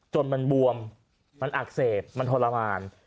จนมันบวมมันอักเสบมันทรมาน